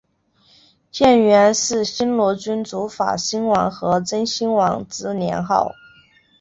建元是新罗君主法兴王和真兴王之年号。